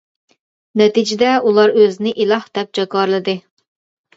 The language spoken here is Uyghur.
نەتىجىدە، ئۇلار ئۆزىنى ئىلاھ دەپ جاكارلىدى.